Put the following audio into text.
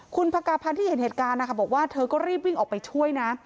คุณพระกาพันธ์ที่เห็นเหตุการณ์นะคะบอกว่าเธอก็รีบวิ่งออกไปช่วยนะ